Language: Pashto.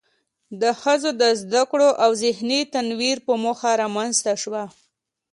د ښځو د زده کړو او ذهني تنوير په موخه رامنځ ته شوه.